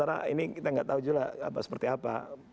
karena ini kita tidak tahu juga seperti apa